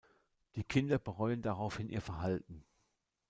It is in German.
Die Kinder bereuen daraufhin ihr Verhalten.